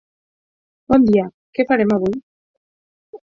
Bon dia, què farem avui?